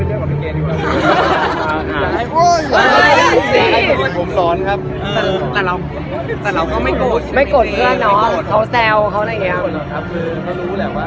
ก็ลูกว่าจริงเขาบูอย่าเล่นว่า